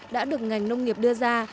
đã được ngành nông nghiệp đưa ra